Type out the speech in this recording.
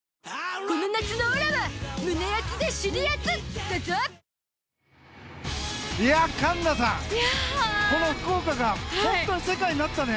そして今環奈さん、この福岡が本当に世界になったね。